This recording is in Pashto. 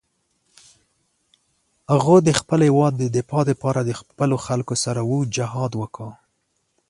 هغه د خپل هېواد د دفاع لپاره د خپلو خلکو سره اوږد جهاد وکړ.